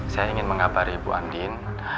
saya ingin mengabari bu andin